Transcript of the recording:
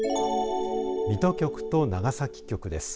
水戸局と長崎局です。